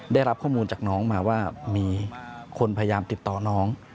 ได้รับข้อมูลจากน้องมาว่ามีคนพยายามติดต่อน้อง